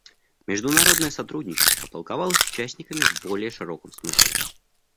Международное сотрудничество толковалось участниками в более широком смысле.